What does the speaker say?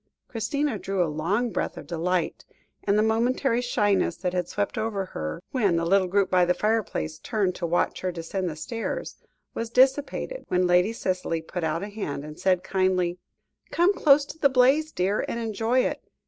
Christina drew a long breath of delight, and the momentary shyness that had swept over her, when the little group by the fireplace turned to watch her descend the stairs, was dissipated when Lady Cicely put out a hand, and said kindly: "Come close to the blaze, dear, and enjoy it.